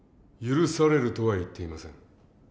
許されるとは言っていません。